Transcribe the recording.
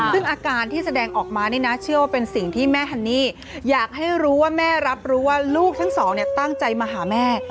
ซึ่งอาการที่แสดงออกมานี่นะเชื่อว่าเป็นสิ่งที่แม่ฮันนี่อยากให้รู้ว่าแม่รับรู้ว่าลูกทั้งสองเนี่ยตั้งใจมาหาแม่